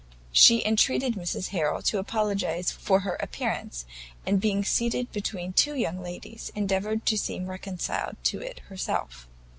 She entreated Mrs Harrel to apologise for her appearance, and being seated between two young ladies, endeavoured to seem reconciled to it herself.